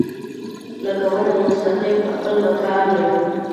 لکه ونه مستقیم پۀ خپل مکان يم